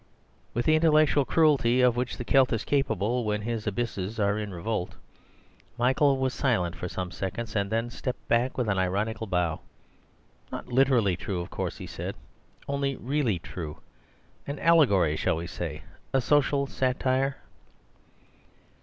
With the intellectual cruelty of which the Celt is capable when his abysses are in revolt, Michael was silent for some seconds, and then stepped back with an ironical bow. "Not literally true, of course," he said; "only really true. An allegory, shall we say? a social satire."